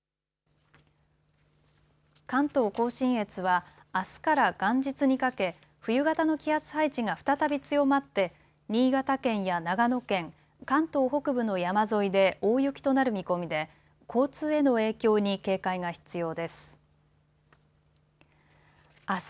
関東甲信越はあすから元日にかけ冬型の気圧配置が再び強まって新潟県や長野県関東北部の山沿いで大雪となる見込みで交通への影響に警戒が必要です。